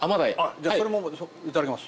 じゃあそれも頂きます。